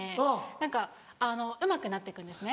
何かうまくなって行くんですね。